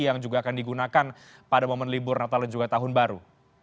yang juga akan digunakan pada momen libur natal dan juga tahun baru